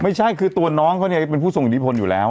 ไม่ใช่คือตัวน้องเขาเนี่ยเป็นผู้ทรงอิทธิพลอยู่แล้ว